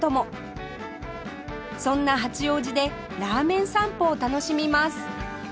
そんな八王子でラーメン散歩を楽しみます